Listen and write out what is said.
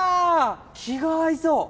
気が合いそう！